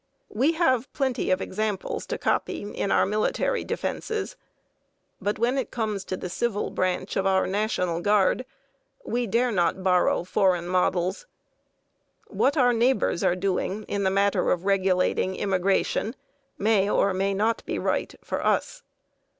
We have plenty of examples to copy in our military defenses, but when it comes to the civil branch of our national guard, we dare not borrow foreign models. What our neighbors are doing in the matter of regulating immigration may or may not be right for us.